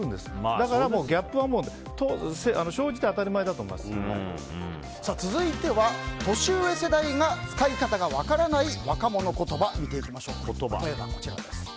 だからギャップは生じて続いては年上世代が使い方が分からない若者言葉を見ていきましょう。